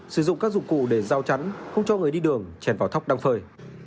sử dụng các dụng cụ để giao chắn không cho người đi đường chèn vào thóc đang phơi